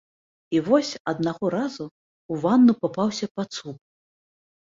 І вось аднаго разу ў ванну папаўся пацук.